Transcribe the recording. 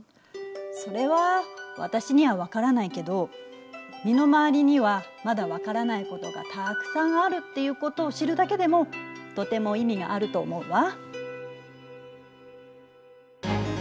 それは私には分からないけど身の回りにはまだ分からないことがたくさんあるっていうことを知るだけでもとても意味があると思うわ。